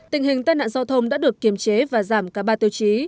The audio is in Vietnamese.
tình hình tai nạn giao thông đã được kiềm chế và giảm cả ba tiêu chí